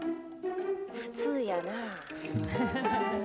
普通やなぁ。